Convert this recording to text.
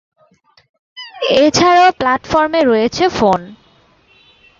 এছাড়াও প্ল্যাটফর্মে রয়েছে ফোন।